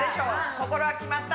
心は決まった？